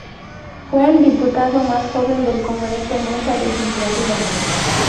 Fue el diputado más joven del congreso en esa legislatura.